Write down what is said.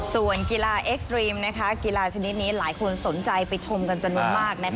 ส่วนกีฬาเอ็กซ์ตรีมกีฬาชนิดนี้หลายคนสนใจไปชมกันจำนวนมาก